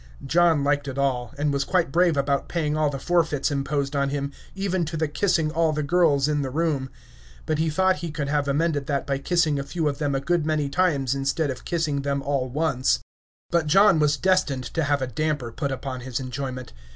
John liked it all, and was quite brave about paying all the forfeits imposed on him, even to the kissing all the girls in the room; but he thought he could have amended that by kissing a few of them a good many times instead of kissing them all once. But John was destined to have a damper put upon his enjoyment.